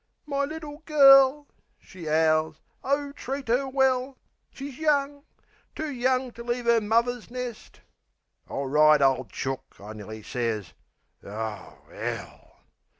"My little girl!" she 'owls. "O, treat'er well! She's young too young to leave 'er muvver's nest!" "Orright, ole chook," I nearly sez. Oh, 'ell!